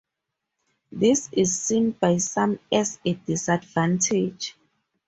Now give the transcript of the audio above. This is seen by some as a disadvantage.